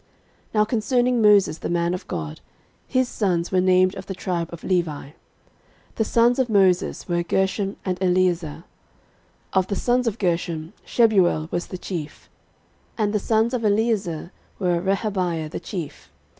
13:023:014 Now concerning Moses the man of God, his sons were named of the tribe of Levi. 13:023:015 The sons of Moses were, Gershom, and Eliezer. 13:023:016 Of the sons of Gershom, Shebuel was the chief. 13:023:017 And the sons of Eliezer were, Rehabiah the chief.